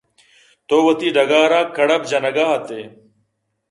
تو وتی ڈگار ءَ کڑب جنگ ءَ اَت ئے۔